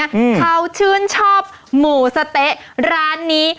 อืมเขาชื่นชอบหมูสะเต๊ะร้านนี้